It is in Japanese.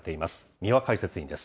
三輪解説委員です。